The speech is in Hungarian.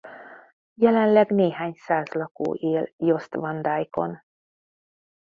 Jelenleg néhány száz lakó él Jost Van Dyke-on.